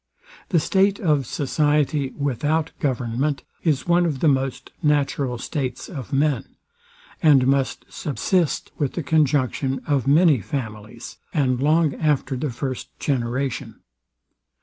The state of society without government is one of the most natural states of men, and must submit with the conjunction of many families, and long after the first generation.